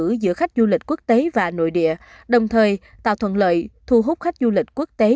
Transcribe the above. giữa khách du lịch quốc tế và nội địa đồng thời tạo thuận lợi thu hút khách du lịch quốc tế